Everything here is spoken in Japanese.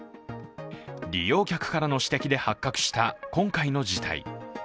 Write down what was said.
利用客からの指摘で発覚した今回の事態。